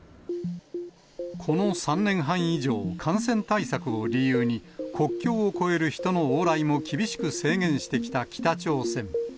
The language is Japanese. この３年半以上、感染対策を理由に国境を越える人の往来も厳しく制限してきた北朝鮮。